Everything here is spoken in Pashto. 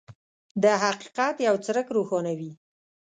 د حقیقت یو څرک روښانوي.